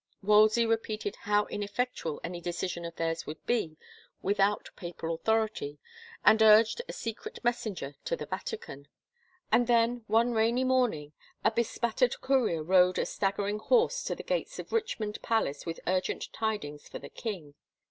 Wol sey repeated how ineffectual any decision of theirs would be without papal authority and urged a secret messenger to the Vatican. 127 THE FAVOR OF KINGS And then, one rainy morning, a bespattered courier rode a staggering horse to the gates of Richmond palace with urgent tidings for the king.